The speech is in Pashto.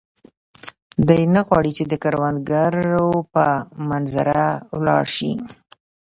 دی نه غواړي چې د کروندګرو په منظره ولاړ شي.